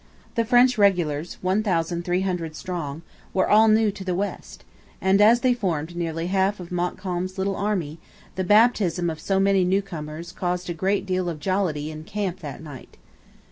The French regulars, 1,300 strong, were all new to the West, and, as they formed nearly half of Montcalm's little army, the 'baptism' of so many newcomers caused a great deal of jollity in camp that night.